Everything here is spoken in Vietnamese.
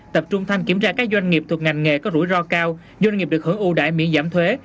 tập trung thanh kiểm tra các doanh nghiệp thuộc ngành nghề có rủi ro cao doanh nghiệp được hưởng ưu đại miễn giảm thuế